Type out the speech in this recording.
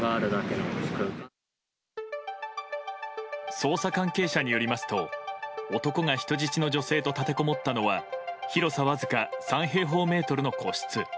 捜査関係者によりますと男が人質の女性と立てこもったのは、広さわずか３平方メートルの個室。